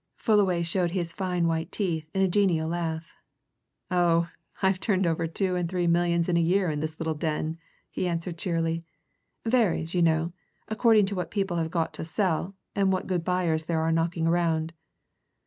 Fullaway showed his fine white teeth in a genial laugh. "Oh, I've turned over two and three millions in a year in this little den!" he answered cheerily. "Varies, you know, according to what people have got to sell, and what good buyers there are knocking around."